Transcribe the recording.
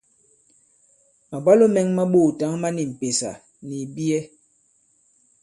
Màbwalo mɛ̄ŋ mā ɓoòtǎŋ ma ni m̀pèsà nì ìbiyɛ.